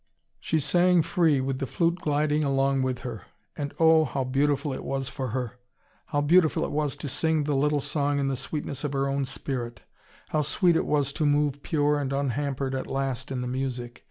She sang free, with the flute gliding along with her. And oh, how beautiful it was for her! How beautiful it was to sing the little song in the sweetness of her own spirit. How sweet it was to move pure and unhampered at last in the music!